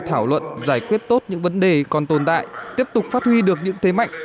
thảo luận giải quyết tốt những vấn đề còn tồn tại tiếp tục phát huy được những thế mạnh